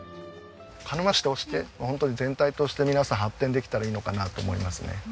鹿沼市としてホントに全体として皆さん発展できたらいいのかなと思いますね。